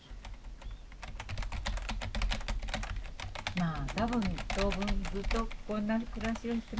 まあ多分当分ずっとこんな暮らしをしてますから。